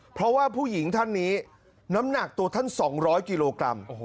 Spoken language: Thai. เพราะว่าผู้หญิงท่านนี้น้ำหนักตัวท่าน๒๐๐กิโลกรัม